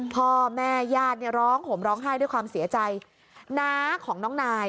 พ่อแม่ญาติเนี่ยร้องห่มร้องไห้ด้วยความเสียใจน้าของน้องนาย